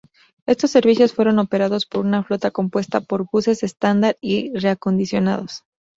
Estos servicios fueron operados por una flota compuesta por buses estándar y reacondicionados.